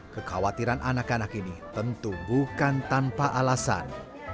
kekhawatiran anak anak ini tentu bukan tanpa alasan